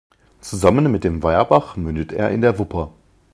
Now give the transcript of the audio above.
Zusammen mit dem Weierbach mündet er in der Wupper.